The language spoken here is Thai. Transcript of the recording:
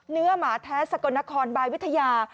หมาแท้สกลนครบายวิทยา